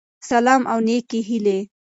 سلام او نيکي هیلی